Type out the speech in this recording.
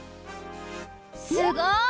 すごい！